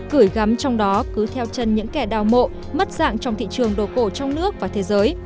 cửi gắm trong đó cứ theo chân những kẻ đào mộ mất dạng trong thị trường đồ cổ trong nước và thế giới